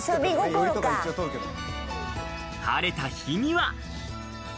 晴れた日には。